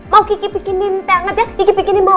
mau kiki bikinin tengah kiki bikinin bau ya